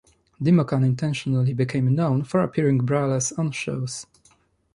Dimmock unintentionally became known for appearing braless on shows.